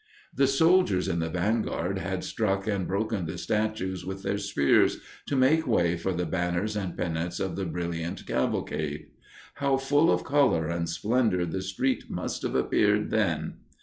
The soldiers in the vanguard had struck and broken the statues with their spears to make way for the banners and pennants of the brilliant cavalcade. How full of color and splendor the street must have appeared then!